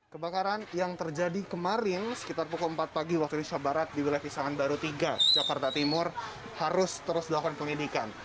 kebakaran yang terjadi kemarin sekitar pukul empat pagi waktu indonesia barat di wilayah pisangan baru tiga jakarta timur harus terus dilakukan penyidikan